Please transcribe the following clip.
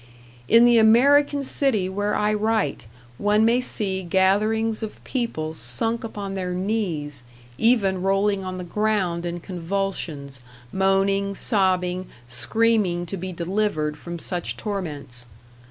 In the American city where I write one may see gatherings of people sunk upon their knees, even rolling on the ground in convulsions, moaning, sobbing, screaming to be delivered from such torments.